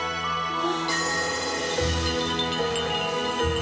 あ。